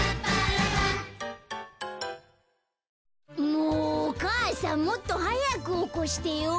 もうお母さんもっとはやくおこしてよ。